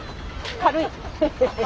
軽い。